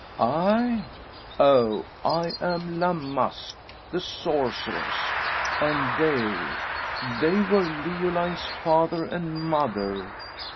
"I? Oh, I am La Masque, the sorceress, and they they were Leoline's father and mother!"